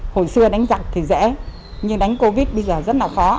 hồi xưa đánh giặc thì dễ nhưng đánh covid bây giờ rất là khó